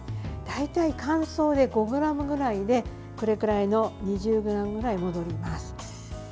大体乾燥で５ｇぐらいでこれくらいの２０ｇぐらい戻ります。